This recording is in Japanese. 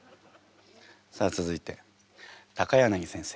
さあ続いて柳先生